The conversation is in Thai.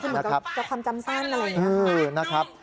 คือเหมือนกับความจำแส้นอะไรอย่างนี้